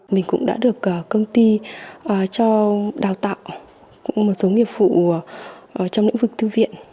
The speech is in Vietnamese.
mình cũng đã được công ty cho đào tạo một số nghiệp vụ trong lĩnh vực thư viện